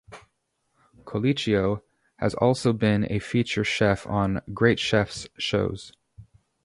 Colicchio has also been a featured chef on "Great Chefs" shows.